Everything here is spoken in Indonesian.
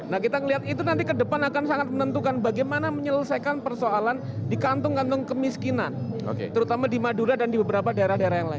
nah kita melihat itu nanti ke depan akan sangat menentukan bagaimana menyelesaikan persoalan di kantung kantong kemiskinan terutama di madura dan di beberapa daerah daerah yang lain